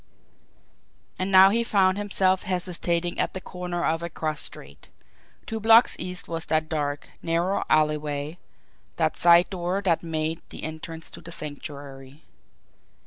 And now he found himself hesitating at the corner of a cross street. Two blocks east was that dark, narrow alleyway, that side door that made the entrance to the Sanctuary.